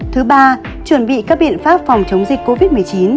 thứ ba chuẩn bị các biện pháp phòng chống dịch covid một mươi chín